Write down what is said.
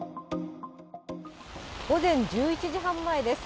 午前１１時半前です。